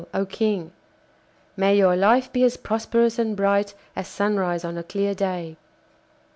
oh King. May your life be as prosperous and bright as sunrise on a clear day!